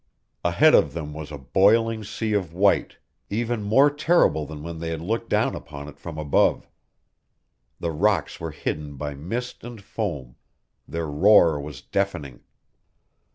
Ahead of them was a boiling sea of white, even more terrible than when they had looked down upon it from above. The rocks were hidden by mist and foam; their roar was deafening.